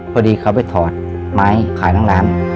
พอดีเขาไปถอดไม้ขายทั้งร้าน